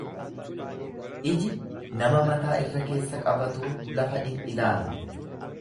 Iji nama mataa irra-keessa qabatuu lafa in ilaala.